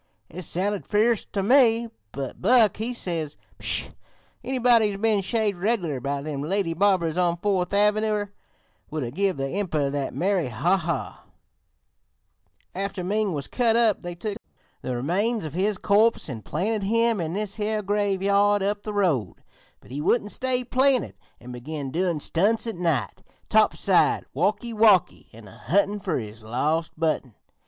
It sounded fierce ter me, but Buck he says: "'Pshaw! Anybody who's been shaved reg'lar by them lady barbers on Fourth Avenyer would 'a' give the Emprer the merry ha ha ' "After Ming was cut up they took the remains of his corpse an' planted him in this here graveyard up the road; but he wouldn't stay planted an' began doin' stunts at night, 'topside walkee walkee' an' a huntin' fer his lost button.